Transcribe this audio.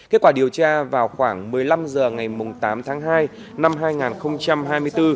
kết quả điều tra vào khoảng một mươi năm h ngày tám tháng hai năm hai nghìn hai mươi bốn